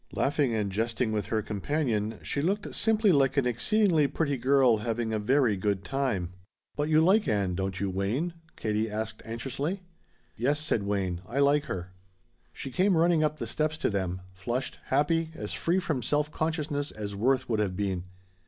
Laughing and jesting with her companion, she looked simply like an exceedingly pretty girl having a very good time. "But you like Ann, don't you, Wayne?" Katie asked anxiously. "Yes," said Wayne, "I like her." She came running up the steps to them, flushed, happy, as free from self consciousness as Worth would have been.